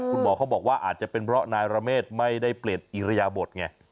คุณหมอเขาบอกว่าอาจจะเป็นเพราะนายระเมฆไม่ได้เปลี่ยนอิริยบทไง